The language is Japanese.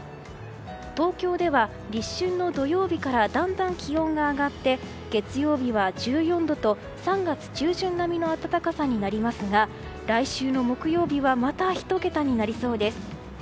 東京では立春の土曜日からだんだん気温が上がって月曜日は１４度と３月中旬並みの暖かさになりますが来週の木曜日はまた１桁になりそうです。